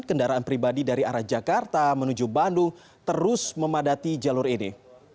kendaraan pribadi dari arah jakarta menuju bandung terus memadati jalur ini